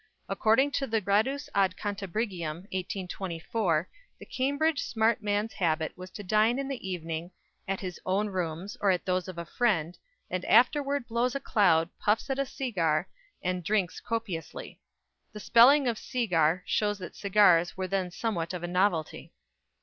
According to the "Gradus ad Cantabrigium," 1824, the Cambridge smart man's habit was to dine in the evening "at his own rooms, or at those of a friend, and afterwards blows a cloud, puffs at a segar, and drinks copiously." The spelling of "segar" shows that cigars were then somewhat of a novelty.